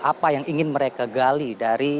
apa yang ingin mereka gali dari